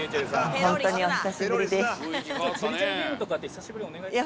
本当にお久しぶりです。